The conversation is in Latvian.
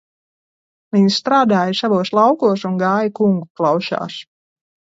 Viņi strādāja savos laukos un gāja kungu klaušās.